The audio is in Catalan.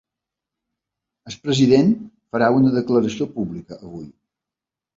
El president farà una declaració pública avui.